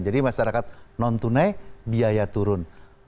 jadi masyarakat non tunai biaya turun